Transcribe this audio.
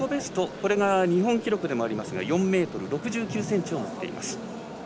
これが日本記録でもありますが４ｍ６９ｃｍを持っています。